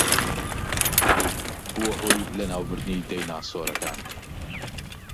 و بووە هۆی لەناوبردنی دایناسۆرەکان